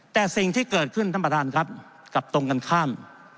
แต่สิ่งที่เกิดขึ้นท่านประธานครับกับตรงกันข้าม